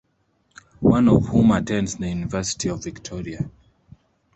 One of whom attends the University of Victoria.